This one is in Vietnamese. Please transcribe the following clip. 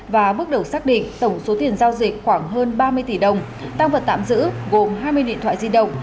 và bước đầu xác định tổng số tiền giao dịch khoảng hơn ba mươi tỷ đồng tăng vật tạm giữ gồm hai mươi điện thoại di động